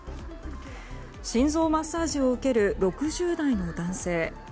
心臓マッサージを受ける６０代の男性。